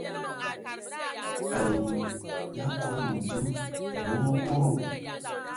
Anyu ya kɔbɔ mədzo, nnəm okodo.